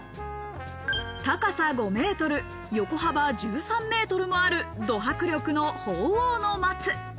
高さ５メートル、横幅１３メートルもあると迫力の鳳凰の松。